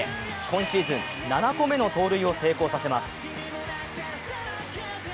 今シーズン７個目の盗塁を成功させます。